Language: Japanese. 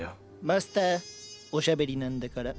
マスターおしゃべりなんだから。